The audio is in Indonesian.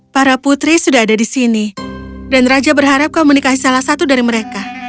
para putri sudah ada di sini dan raja berharap kau menikahi salah satu dari mereka